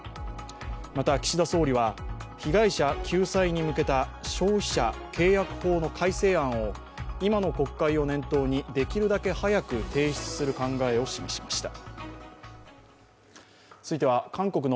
また、岸田総理は、被害者救済に向けた消費者契約法の改正案を今の国会を念頭に、できるだけ早く提出する考えを示しました。